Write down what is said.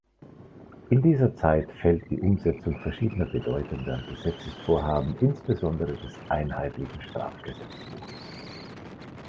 In diese Zeit fällt die Umsetzung verschiedener bedeutender Gesetzesvorhaben, insbesondere des einheitlichen Strafgesetzbuches.